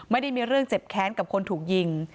ไม่ได้มีเรื่องเจ็บแค้นกับคนถูกยิง